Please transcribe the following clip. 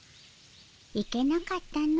行けなかったの。